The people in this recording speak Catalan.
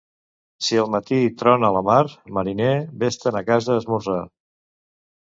Si al matí trona a la mar, mariner, ves-te'n a casa a esmorzar.